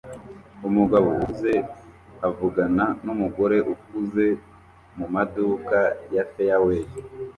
Umugabo ukuze avugana numugore ukuze mumaduka ya Fairway